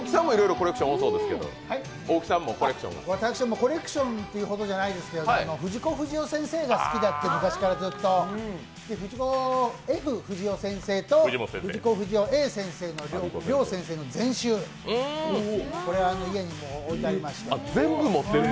私はコレクションというほどじゃないんですけど、藤子不二雄先生が昔から好きで藤子・Ｆ・不二雄先生と藤子不二雄Ａ先生両先生の全集、これは家に置いてありまして。